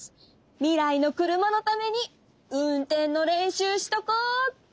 未来の車のために運転の練習しとこうっと！